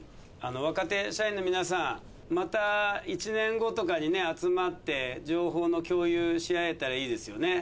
若手社員の皆さんまた１年後とかにね集まって情報の共有しあえたらいいですよね。